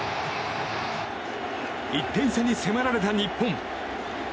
１点差に迫られた日本。